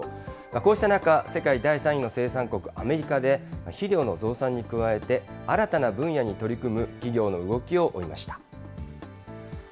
こうした中、世界第３位の生産国アメリカで、肥料の増産に加えて新たな分野に取り組む企業の動きを追いました。